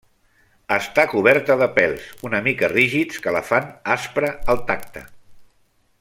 Està coberta de pèls una mica rígids que la fan aspra al tacte.